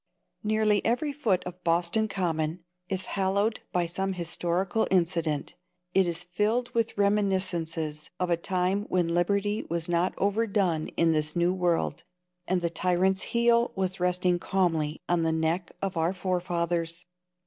Nearly every foot of Boston Common is hallowed by some historical incident. It is filled with reminiscences of a time when liberty was not overdone in this new world, and the tyrant's heel was resting calmly on the neck of our forefathers.